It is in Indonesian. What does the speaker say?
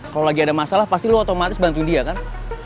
kalau lagi ada masalah pasti lo otomatis bantu dia kan